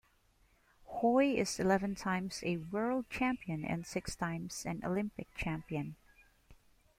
Hoy is eleven-times a world champion and six-times an Olympic champion.